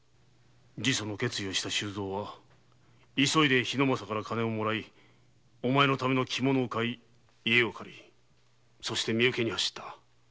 自訴の決意をした周蔵は急いで桧政から金をもらいお前のための着物を買い家を借りそして身請けに走った。